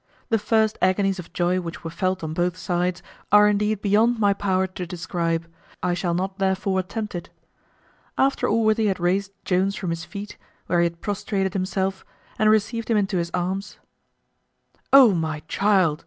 The first agonies of joy which were felt on both sides are indeed beyond my power to describe: I shall not therefore attempt it. After Allworthy had raised Jones from his feet, where he had prostrated himself, and received him into his arms, "O my child!"